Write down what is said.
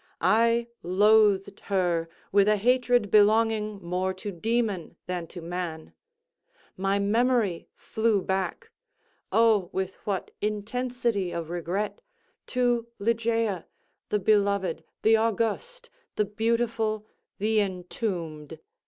I loathed her with a hatred belonging more to demon than to man. My memory flew back, (oh, with what intensity of regret!) to Ligeia, the beloved, the august, the beautiful, the entombed.